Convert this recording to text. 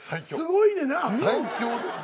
最強ですね。